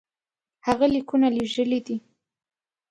هغه لیکونه لېږلي دي.